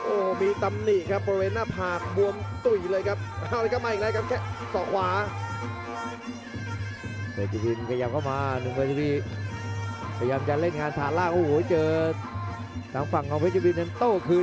โอ้วมีตำหนิเพราะมีหน้าผากว้อมและตุ๋ย